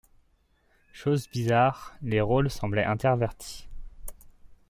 Chose bizarre, les rôles semblaient intervertis.